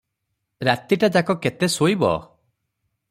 ରାତିଟାଯାକ କେତେ ଶୋଇବ?